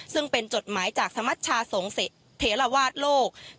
ซึ่งเป็นจดหมายจากสมัชชาสงฆ์เทราวาสโลก